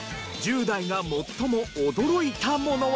１０代が最も驚いたものは？